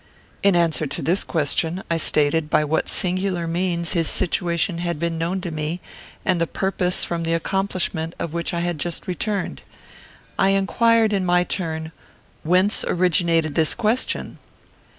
In answer to this question, I stated by what singular means his situation had been made known to me, and the purpose from the accomplishment of which I had just returned. I inquired in my turn, "Whence originated this question?"